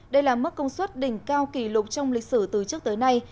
đây là mức công suất đỉnh cao kỷ lục trong lịch sử từ trước tới nay